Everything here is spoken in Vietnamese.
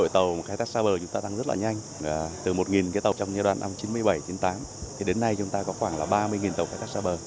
tàu khai thác xa bờ tăng rất nhanh từ một tàu trong giai đoạn năm một nghìn chín trăm chín mươi bảy một nghìn chín trăm chín mươi tám đến nay chúng ta có khoảng ba mươi tàu khai thác xa bờ